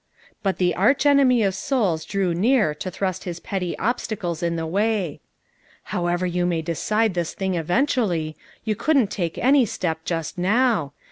But the arch enemy of souls drew near to thrust his petty obstacles in the way. "How ever you may decide this thing eventually, you couldn't take any step just now.